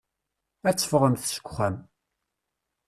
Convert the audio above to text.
Ad teffɣemt seg uxxam.